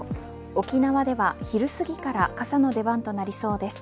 沖縄では昼すぎから傘の出番となりそうです。